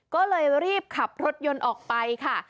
ก็เลยรีบขับรถยนต์ออกไปค่ะ